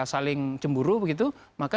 saling cemburu maka